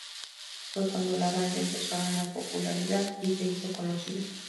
Fue cuando la banda empezó a ganar popularidad y se hizo conocida.